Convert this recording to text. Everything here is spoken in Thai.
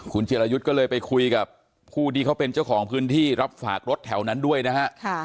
คุณจิรายุทธ์ก็เลยไปคุยกับผู้ที่เขาเป็นเจ้าของพื้นที่รับฝากรถแถวนั้นด้วยนะฮะ